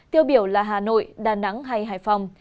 tiêu biểu là hà nội đà nẵng hay hải phòng